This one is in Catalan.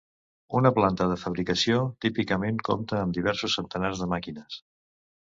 Una planta de fabricació típicament compta amb diversos centenars de màquines.